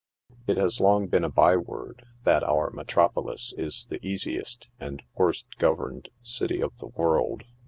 It has long been a byeword that our metropolis is the easiest and worse governed city of the world.